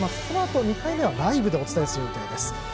そのあと、２回目はライブでお伝えする予定です。